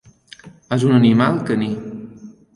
És un animal caní.